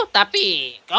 tapi kau membuatmu